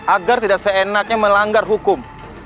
agar tidak seenaknya melanggar hukum